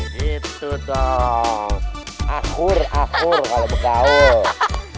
gitu dong akur akur kalau betahun